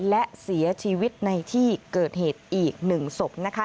และเสียชีวิตในที่เกิดเหตุอีก๑ศพนะคะ